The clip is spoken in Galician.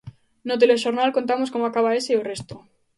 No Telexornal contamos como acaba ese e o resto.